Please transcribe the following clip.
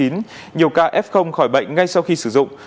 nhiều ca f khỏi bệnh ngay sau khi sử dụng